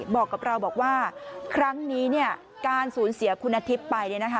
บอกกับเราบอกว่าครั้งนี้การสูญเสียคุณอาทิตย์ไป